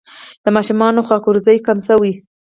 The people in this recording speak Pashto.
د ماشومانو خوارځواکي کمه شوې؟